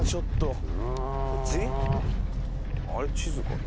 あれ地図かな？